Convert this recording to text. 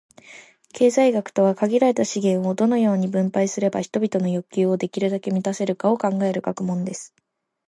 経済学とは、「限られた資源を、どのように分配すれば人々の欲求をできるだけ満たせるか」を考える学問です。